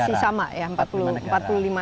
masih sama ya